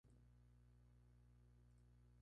Todos ellos están situados cerca entre sí.